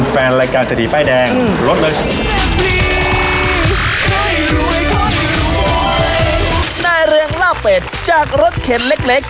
แฟนรายการสิทธิใป้แดงหลดเลย